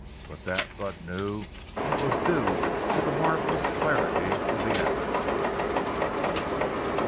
But that, Bud knew, was due to the marvelous clarity of the atmosphere.